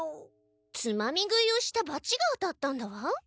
つまみ食いをしたバチが当たったんだわ。